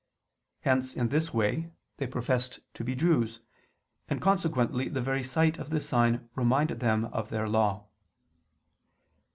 Hence, in this way, they professed to be Jews: and consequently the very sight of this sign reminded them of their law.